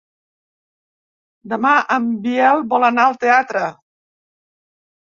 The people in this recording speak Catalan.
Demà en Biel vol anar al teatre.